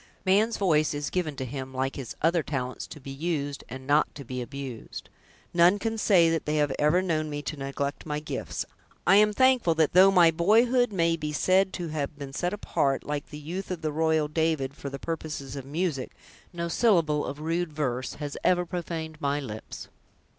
"Man's voice is given to him, like his other talents, to be used, and not to be abused. None can say they have ever known me to neglect my gifts! I am thankful that, though my boyhood may be said to have been set apart, like the youth of the royal David, for the purposes of music, no syllable of rude verse has ever profaned my lips."